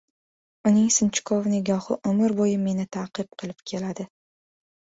Uning sinchkov nigohi umr bo‘yi meni ta’qib qilib keladi.